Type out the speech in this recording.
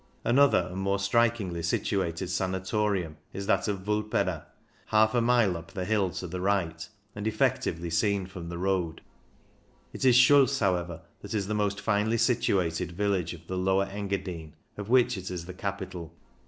Another and more strikingly situated sana torium is that of Vulpera, half a mile up 174 CYCLING IN THE ALPS the hill to the right, and effectively seen from the road. It is Schuls, however, that is the most finely situated village of the Lower Enga dine, of which it is the capital.